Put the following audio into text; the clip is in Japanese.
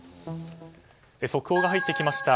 速報が入ってきました。